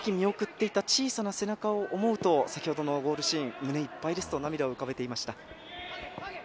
その時に見送っていた小さな背中を思うと、先ほどゴールシーン、胸いっぱいですと、涙を浮かべていました。